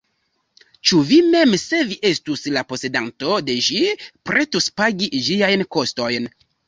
Ĉu vi mem, se vi estus la posedanto de ĝi, pretus pagi ĝiajn kostojn?